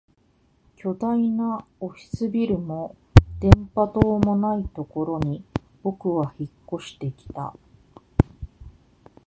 巨大なオフィスビルも電波塔もないところに僕は引っ越してきた